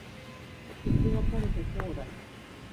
生き別れた兄弟